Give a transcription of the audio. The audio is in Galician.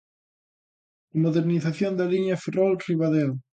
A modernización da liña Ferrol-Ribadeo.